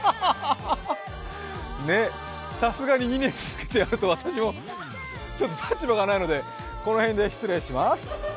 ねっ、さすがに２年連続でやると私も立場がないのでこの辺で失礼します。